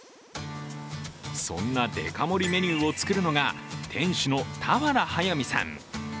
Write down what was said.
そんなデカ盛りメニューを作るのが店主の俵隼水さん。